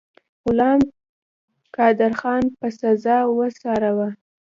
غلم قادرخان په سزا ورساوه.